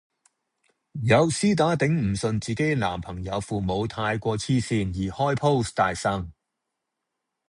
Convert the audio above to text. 有絲打頂唔順自己男朋友父母太過痴線而開 post 大呻